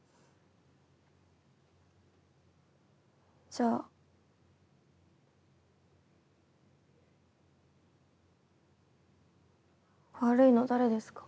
じゃあ悪いの誰ですか？